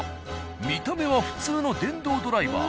見た目は普通の電動ドライバー。